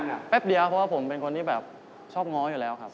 แป๊บเดียวเพราะว่าผมเป็นคนที่แบบชอบง้ออยู่แล้วครับ